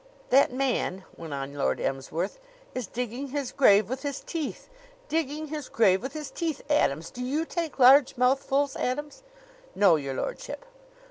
"That man," went on Lord Emsworth, "is digging his grave with his teeth. Digging his grave with his teeth, Adams! Do you take large mouthfuls, Adams?" "No, your lordship."